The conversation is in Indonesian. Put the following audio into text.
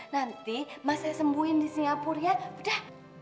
nanti mas saya sembuhin di singapura udah